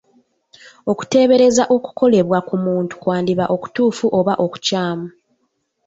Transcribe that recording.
Okuteebereza okukolebwa ku muntu kwandiba okutuufu oba okukyamu.